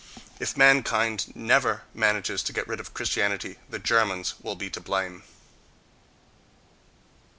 If man kind never manages to get rid of Christianity the Germans will be to blame....